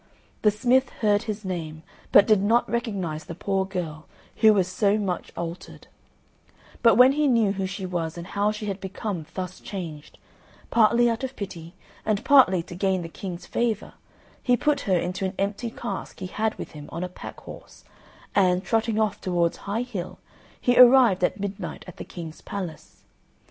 The smith heard his name, but did not recognise the poor girl, who was so much altered; but when he knew who she was, and how she had become thus changed, partly out of pity and partly to gain the King's favour, he put her into an empty cask he had with him on a pack horse, and, trotting off towards High Hill, he arrived at midnight at the King's palace.